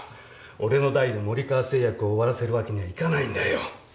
俺の代で森川製薬を終わらせるわけにはいかないんだよ。